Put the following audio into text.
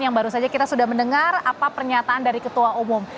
yang baru saja kita sudah mendengar apa pernyataan dari ketua umum